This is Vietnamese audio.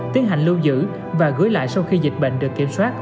tiến hành lưu giữ và gửi lại sau khi dịch bệnh được kiểm soát